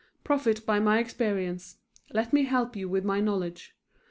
Profit by my experience; let me help you with my knowledge.